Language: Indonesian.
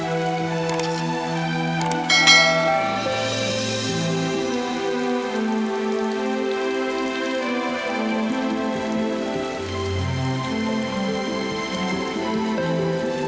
ayo beritahu pembungkusan